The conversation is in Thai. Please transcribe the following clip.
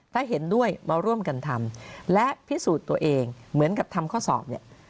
ถ้าเห็นด้วยมาร่วมกันทำและพิสูจน์ตัวเองเหมือนกับทำข้อสอบเนี่ย